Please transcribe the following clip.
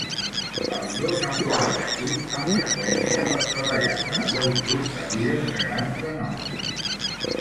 Els dos han format equip amb freqüència per treballar per a molts grups de líders de gran renom.